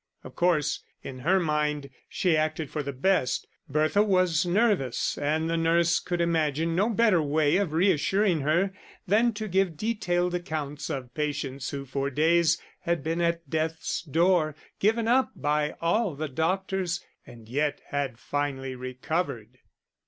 Of course, in her mind, she acted for the best; Bertha was nervous, and the nurse could imagine no better way of reassuring her than to give detailed accounts of patients who for days had been at death's door, given up by all the doctors, and yet had finally recovered.